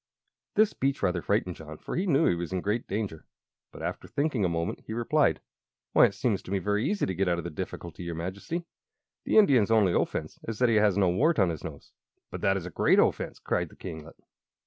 This speech rather frightened John, for he knew he was in great danger. But after thinking a moment he replied: "Why, it seems to me very easy to get out of the difficulty, your Majesty. The Indian's only offense is that he has no wart on his nose." "But that is a great offense!" cried the kinglet.